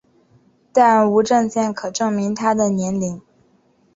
但无证件可证明她的年龄。